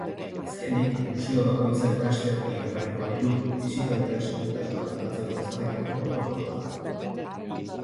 Azkenik, museo bakoitzak laster iragarriko ditu bisitaldian segurtasuna bermatzeko ezarritako protokoloak.